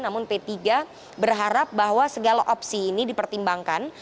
namun p tiga berharap bahwa segala opsi ini dipertimbangkan